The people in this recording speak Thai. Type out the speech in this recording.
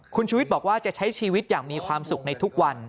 คุณชุวิตบอกว่าจะใช้ชีวิตอย่างมีความสุขในทุกวัน